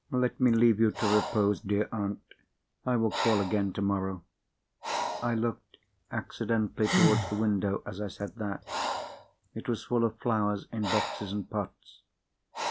"Let me leave you to repose, dear aunt; I will call again tomorrow." I looked accidentally towards the window as I said that. It was full of flowers, in boxes and pots.